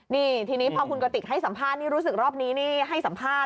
นี่ทีนี้พอคุณกติกให้สัมภาษณ์นี่รู้สึกรอบนี้นี่ให้สัมภาษณ